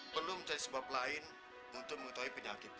perlu mencari sebuah pelain untuk mengetahui penyakitnya